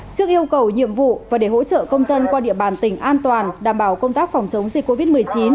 trước yêu cầu nhiệm vụ và để hỗ trợ công dân qua địa bàn tỉnh an toàn đảm bảo công tác phòng chống dịch covid một mươi chín